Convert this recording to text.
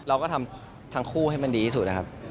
เราก็ทำทั้งคู่ให้มันดีที่สุดนะครับ